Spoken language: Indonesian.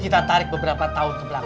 kita tarik beberapa tahun ke belakang